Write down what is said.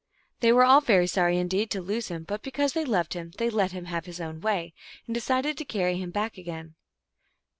They were all very sorry indeed to lose him, but because they loved him they let him have his own way, and decided to carry him back again.